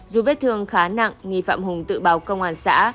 dù vết thương khá nặng nghi phạm hùng tự báo công an xã